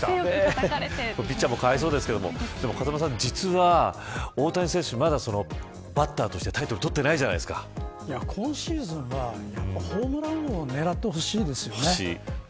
ピッチャーもかわいそうですけれども風間さん実は大谷選手、まだバッターとしてタイトルを今シーズンはやっぱりホームラン王を狙ってほしいですよね。